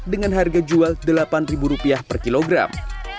dengan harga jual rp delapan per kilogram